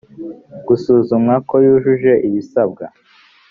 gusuzumwa ko yujuje ibisabwa